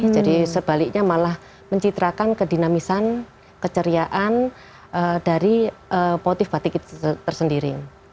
jadi sebaliknya malah mencitrakan kedinamisan keceriaan dari motif batik tersendiri